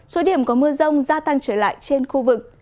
số điểm có mưa rông gia tăng trở lại trên khu vực